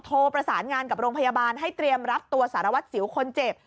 โทรประสานงานกับโรงพยาบาลให้เตรียมรับตัวสารวัตรสิวคนเจ็บ